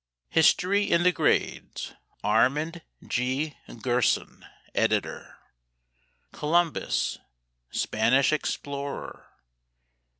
History in the Grades ARMAND J. GERSON, Editor. COLUMBUS, SPANISH EXPLORER.